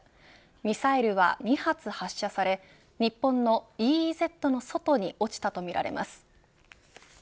ミサイルは２発発射され日本のＥＥＺの外に落ちたとみられます。